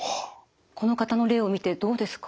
この方の例を見てどうですか？